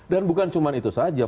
dan bukan cuma itu saja